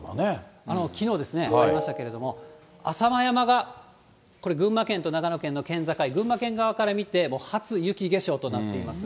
きのうですね、ありましたけれども、浅間山がこれ、群馬県と長野県の県境、群馬県側から見て初雪化粧となっています。